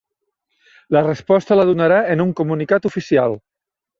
La resposta la donarà en un comunicat oficial.